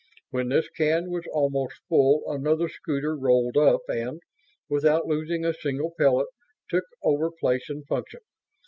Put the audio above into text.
When this can was almost full another scooter rolled up and, without losing a single pellet, took over place and function.